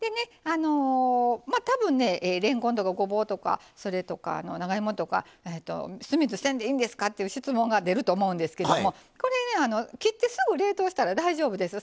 あのまあ多分れんこんとかごぼうとかそれとか長芋とか酢水せんでいいんですか？っていう質問が出ると思うんですけどもこれね切ってすぐ冷凍したら大丈夫です。